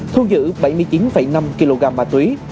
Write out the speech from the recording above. thu giữ bảy mươi chín năm kg ma túy